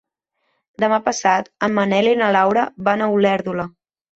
Demà passat en Manel i na Laura van a Olèrdola.